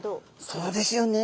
そうですよね。